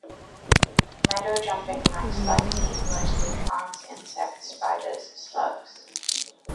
Meadow jumping mice like to eat mostly plants, insects, spiders, slugs.